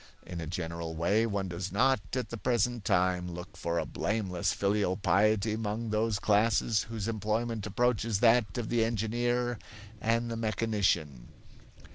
In a general way, one does not, at the present time, look for a blameless filial piety among those classes whose employment approaches that of the engineer and the mechanician.